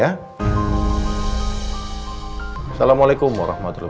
assalamualaikum wr wb